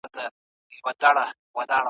هغه د خپلو نظریو لپاره تګلاره جوړه کړه.